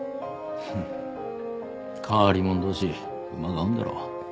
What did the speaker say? フン変わり者同士馬が合うんだろう。